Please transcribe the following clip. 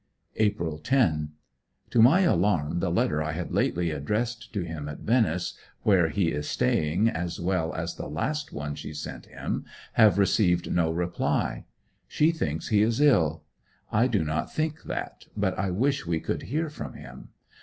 April 10. To my alarm the letter I lately addressed to him at Venice, where he is staying, as well as the last one she sent him, have received no reply. She thinks he is ill. I do not quite think that, but I wish we could hear from him.